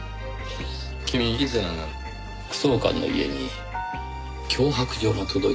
君以前副総監の家に脅迫状が届いたと言ってましたね。